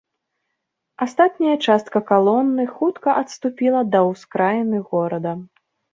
Астатняя частка калоны хутка адступіла да ўскраіны горада.